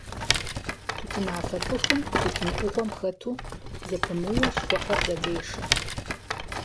Тутынафэ цӀыхум тутын Ӏугъуэм хэту зэпымыууэ щхъухьыр жьэдешэ.